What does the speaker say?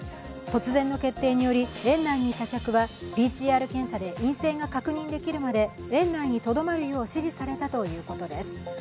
突然の決定により園内にいた客はＰＣＲ検査で陰性が確認できるため、園内にとどまるよう指示されたということです。